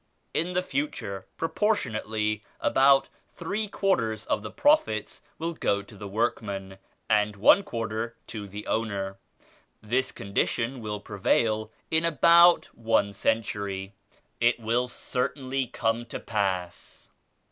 In the future, proportionately about three quarters of the profits will go to the workmen and one quarter to the owner. This condition will prevail in about one century. It will certainly come to pass."